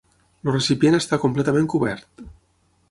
El recipient està completament cobert.